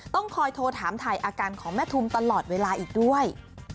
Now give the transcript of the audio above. ต้องคอยโทรถามถ่ายอาการของแม่ทุมตลอดเวลาอีกด้วย